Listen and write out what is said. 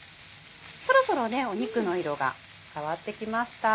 そろそろ肉の色が変わってきました。